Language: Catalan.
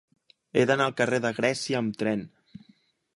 He d'anar al carrer de Grècia amb tren.